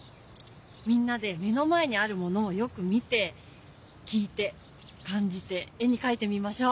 みんなで目の前にあるものをよく見て聞いて感じて絵にかいてみましょう。